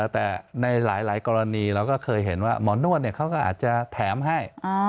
แต่ในหลายกรณีเราก็เคยเห็นว่าหมอนวดเขาก็อาจจะแถมให้